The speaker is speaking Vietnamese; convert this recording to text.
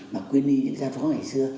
mà quy ni những gia khó ngày xưa